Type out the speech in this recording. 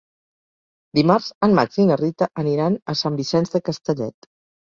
Dimarts en Max i na Rita aniran a Sant Vicenç de Castellet.